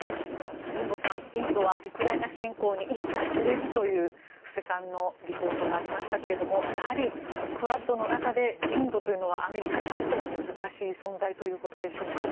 神保さん、インドはウクライナ侵攻に一切触れずという布施さんのリポートがありましたが、クアッドの中でインドというのはアメリカにとっても難しい存在ということでしょうか。